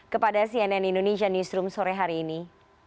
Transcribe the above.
kepada cnn indonesia newsroom sore hari ini